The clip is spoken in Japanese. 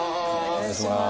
お願いしまーす。